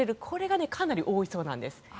これがかなり多いそうなんです。